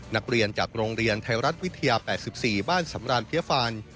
นักเรียนจากโรงเรียนไทยรัฐวิทยา๘๔บ้านสำราญเพียฟัน